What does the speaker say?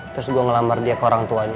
terus gue ngelamar dia ke orang tuanya